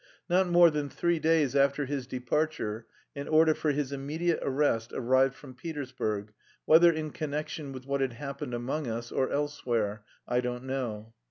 Not more than three days after his departure an order for his immediate arrest arrived from Petersburg whether in connection with what had happened among us, or elsewhere, I don't know.